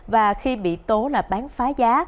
và khi bị tố là bán phá giá